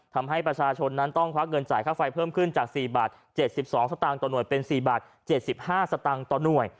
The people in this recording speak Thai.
ทำให้ประชาชนนั้นต้องคว้างเงินจ่ายค่าไฟเพิ่มขึ้นจาก๔บาท๗๒สตางค์ต่อหน่วย